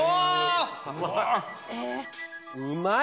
うまい！